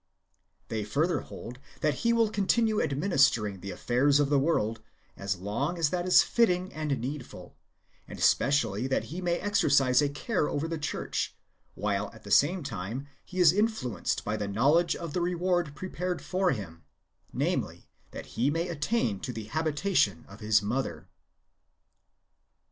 ^ They further hold that he will conthiue administering the affairs of the world as long as that is fitting and needful, and specially that he may exercise a care over the church ; while at the same time he is influenced by the knowledge of the reward prepared for him, namely, that he may attain to the habitation of his mother.